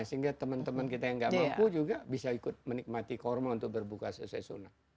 sehingga teman teman kita yang nggak mampu juga bisa ikut menikmati korma untuk berbuka selesai sunnah